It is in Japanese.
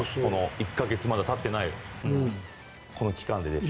１か月まだたってない期間で。